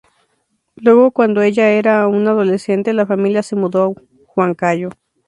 Luego cuando ella era aún adolescente, la familia se mudó a Huancayo.